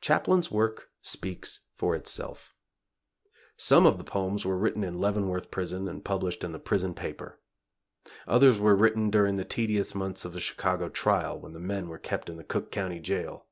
Chaplin's work speaks for itself. Some of the poems were written in Leavenworth Prison and published in the prison paper. Others were written during the tedious months of the Chicago trial, when the men were kept in the Cook County jail.